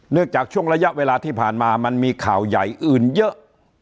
จากช่วงระยะเวลาที่ผ่านมามันมีข่าวใหญ่อื่นเยอะ